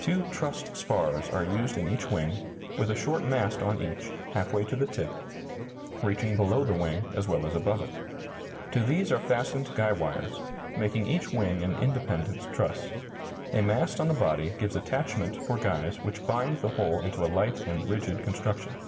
Two trussed spars are used in each wing, with a short mast on each, half way to the tip, reaching below the wing as well as above it. To these are fastened guy wires, making each wing an independent truss. A mast on the body gives attachment for guys which bind the whole into a light and rigid construction.